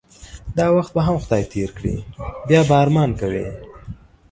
دا وخت به هم خدای تیر کړی بیا به ارمان کوی